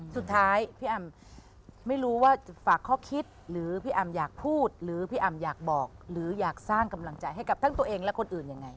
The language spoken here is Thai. สุดท้ายพี่อำไม่รู้ว่าฝากข้อคิดหรือพี่อำอยากพูดหรือพี่อำอยากบอกหรืออยากสร้างกำลังใจให้กับทั้งตัวเองและคนอื่นยังไง